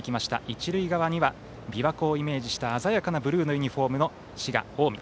一塁側にはびわ湖をイメージした鮮やかなブルーのユニフォームの滋賀の近江。